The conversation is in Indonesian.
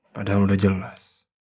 padahal udah jelas